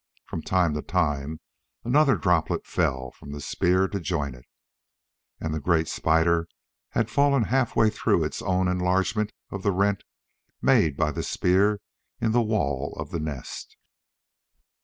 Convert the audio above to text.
From time to time another droplet fell from the spear to join it. And the great spider had fallen half through its own enlargement of the rent made by the spear in the wall of the nest.